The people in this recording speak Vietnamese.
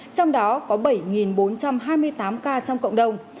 trong đó có bảy bốn trăm hai mươi tám ca trong cộng đồng